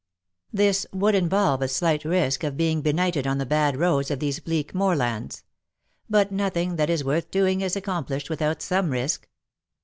This would involve a slight risk of being benighted on the bad roads of these bleak moorlands ; but nothing that is worth doing is accomplished without some risk.